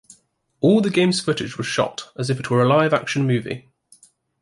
All the game's footage was shot as if it were a live action movie.